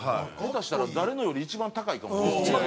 下手したら誰のより一番高いかもしれないですね。